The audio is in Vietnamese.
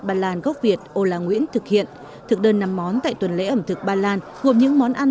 ba lan gốc việt ola nguyễn thực hiện thực đơn năm món tại tuần lễ ẩm thực ba lan gồm những món ăn